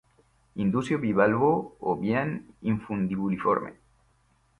Indusio bivalvo o bien infundibuliforme.